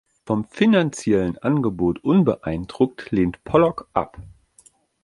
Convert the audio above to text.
Vom finanziellen Angebot unbeeindruckt lehnt Pollock ab.